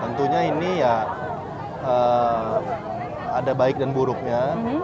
tentunya ini ya ada baik dan buruknya